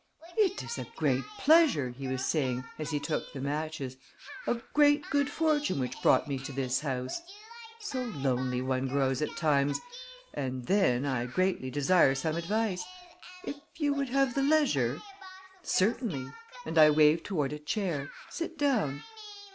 "It is a great pleasure," he was saying, as he took the matches; "a great good fortune which brought me to this house. So lonely one grows at times and then, I greatly desire some advice. If you would have the leisure " "Certainly," and I waved toward a chair. "Sit down."